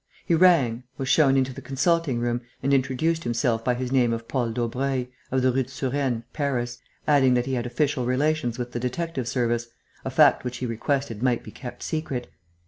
He rang, was shown into the consulting room and introduced himself by his name of Paul Daubreuil, of the Rue de Surène, Paris, adding that he had official relations with the detective service, a fact which he requested might be kept secret.